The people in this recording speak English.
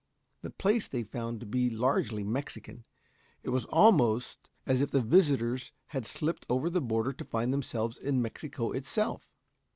The place they found to be largely Mexican, and it was almost as if the visitors had slipped over the border to find themselves in Mexico itself.